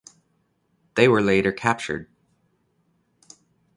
They were later captured.